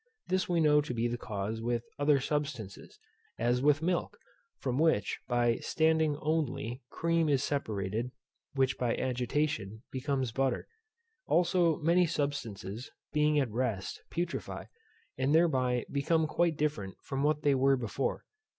This we know to be the case with other substances, as with milk, from which, by standing only, cream is separated; which by agitation becomes butter. Also many substances, being at rest, putrefy, and thereby become quite different from what they were before.